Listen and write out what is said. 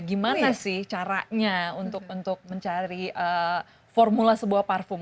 gimana sih caranya untuk mencari formula sebuah parfum